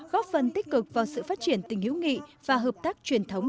góp phần tích cực vào sự phát triển tình hữu nghị và hợp tác truyền thống